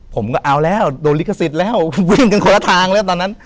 ผมก็เอาแล้วโดนลิขสิทธิ์แล้ววิ่งกันคนละทางแล้วตอนนั้น